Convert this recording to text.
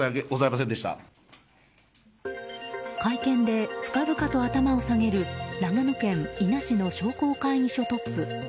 会見で深々と頭を下げる長野県伊那市の商工会議所トップ。